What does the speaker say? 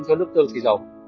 cho nước tương sử dụng